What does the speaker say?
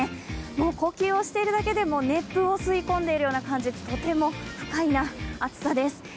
もう呼吸をしているだけでも熱風を吸い込んでいる感じ、とても不快な暑さです。